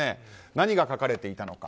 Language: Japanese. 何が書かれていたのか。